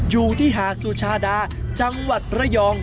อยู่ที่หาดสุชาดาจังหวัดระยอง